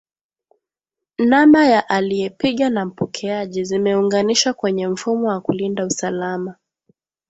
Namba ya aliepiga na mpokeaji zimeunganishwa kwenye mfumo wa kulinda usalama